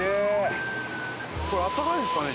これあったかいんですかね？